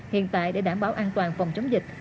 hiện tại để đảm bảo an toàn phòng chống dịch